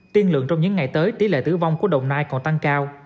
tiên lượng trong những ngày tới tỷ lệ tử vong của đồng nai còn tăng cao